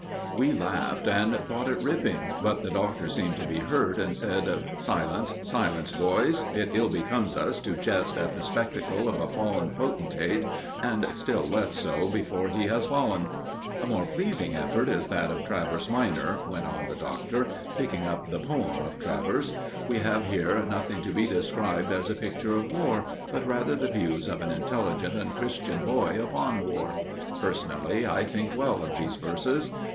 We laughed and thought it ripping; but the Doctor seemed to be hurt, and said: "Silence, silence, boys! It ill becomes us to jest at the spectacle of a fallen potentate, and still less so before he has fallen. "A more pleasing effort is that of Travers minor," went on the Doctor, picking up the poem of Travers. "We have here nothing to be described as a picture of war, but rather the views of an intelligent and Christian boy upon war. Personally, I think well of these verses.